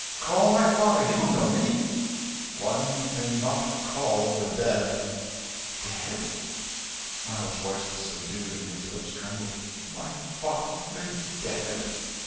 Call thy father he will know me." "One may not call the dead." "Dead?" Miles's voice was subdued, and his lips trembled. "My father dead!